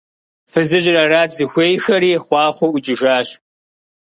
Фызыжьри арат зыхуеиххэри, хъуахъуэу ӀукӀыжащ.